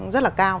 rất là cao